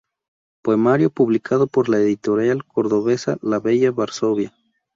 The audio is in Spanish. Poemario publicado por la editorial cordobesa La Bella Varsovia.